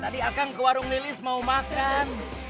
tadi akang ke warung lilis mau makan